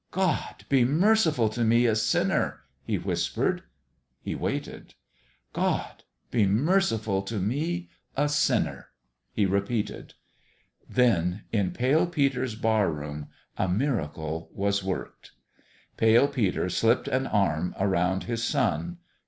" God, be mer ciful to me, a sinner !" he whispered. He waited. " God, be merciful to me, a sinner 1 " he repeated. Then in Pale Peter's barroom a miracle was worked. Pale Peter slipped an arm around his son.